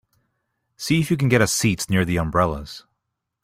See if you can get us seats near the umbrellas.